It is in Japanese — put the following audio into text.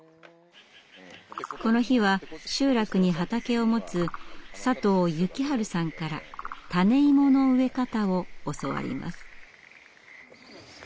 この日は集落に畑を持つ佐藤幸治さんから種イモの植え方を教わります。